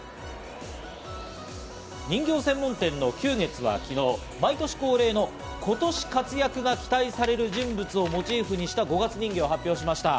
人形専門店の久月は昨日、毎年恒例の今年活躍が期待される人物をモチーフにした五月人形を発表しました。